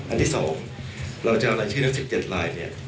อันที่๒เราจะเอารายชื่อทั้ง๑๗ลายเนี่ย